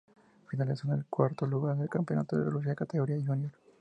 Finalizó en el cuarto lugar del Campeonato de Rusia en categoría júnior.